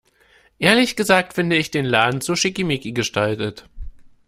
Ehrlich gesagt finde ich den Laden zu schickimicki gestaltet.